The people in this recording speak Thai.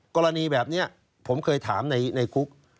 กรณีแบบนี้ผมเคยถามในคุก